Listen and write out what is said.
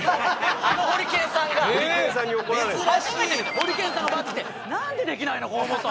ホリケンさんがブワーッて来て「なんでできないの河本」。